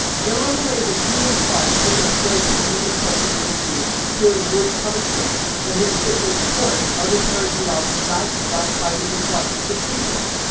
Then I will raise a hue and cry because my slaves have thrown themselves into the sea, fearing worse punishment; and when the ship makes port, I will carry you out as baggage without exciting the slightest suspicion!"